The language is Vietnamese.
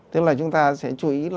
tức là chúng ta sẽ chú ý